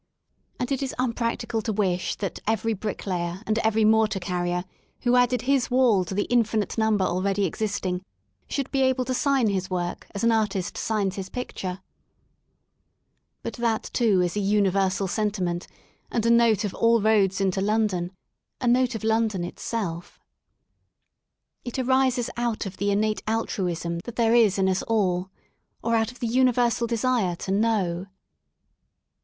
And it is unpractical to wish that every bricklayer and mortar carrier who added his wall 61 ( THE SOUL OF LONDON i j to 'the infinite number already existing should be able 1^ to sign his work as an artist signs his picture. But that, too, is a universal sentiment and a ^^ note " of all roads into London, a note of London itself. It arises out or the innate altruism that there is in us all, or out of the universal desire to "know."